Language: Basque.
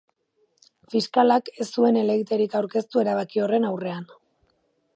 Fiskalak ez zuen helegiterik aurkeztu erabaki horren aurrean.